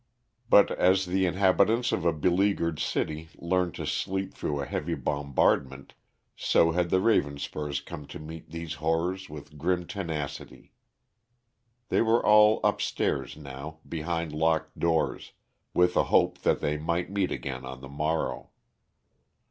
But as the inhabitants of a beleaguered city learn to sleep through a heavy bombardment, so had the Ravenspurs come to meet these horrors with grim tenacity. They were all upstairs now, behind locked doors, with a hope that they might meet again on the morrow.